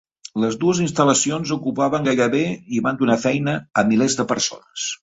Les dues instal·lacions ocupaven gairebé... i van donar feina a milers de persones.